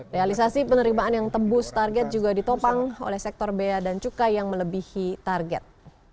realisasi penerimaan yang tembus target juga ditopang oleh sektor bea dan cukai yang melebihi target